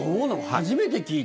初めて聞いた。